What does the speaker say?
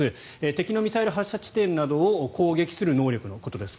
敵のミサイル発射地点などを攻撃する能力のことです。